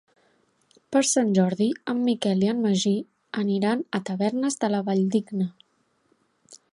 Per Sant Jordi en Miquel i en Magí aniran a Tavernes de la Valldigna.